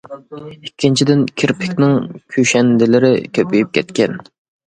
ئىككىنچىدىن، كىرپىنىڭ كۈشەندىلىرى كۆپىيىپ كەتكەن.